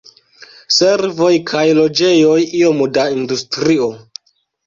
Servoj kaj loĝejoj, iom da industrio.